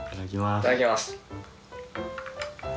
いただきます。